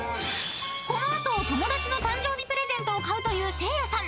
［この後友達の誕生日プレゼントを買うというせいやさん］